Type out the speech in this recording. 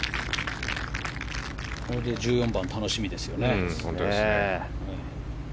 これで１４番、楽しみですよね。